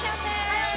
はい！